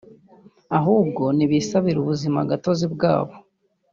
ahubwo nibisabire ubuzima gatozi bwabo